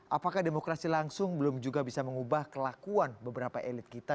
apakah demokrasi langsung belum juga bisa mengubah kelakuan beberapa elit kita